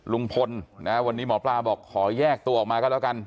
ลุงพลนะวันนี้หมอปลาบอกขอแยกตัวออกมาก็แล้วกัน